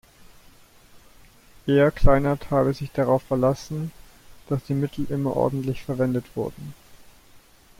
Er, Kleinert, habe sich darauf verlassen, „dass die Mittel immer ordentlich verwendet wurden“.